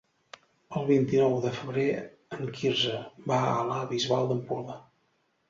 El vint-i-nou de febrer en Quirze va a la Bisbal d'Empordà.